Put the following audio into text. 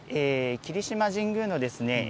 霧島神宮のですね